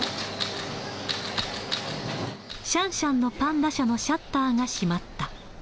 シャンシャンのパンダ舎のシャッターが閉まった。